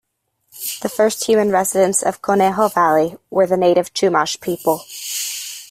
The first human residents of Conejo valley were the native Chumash people.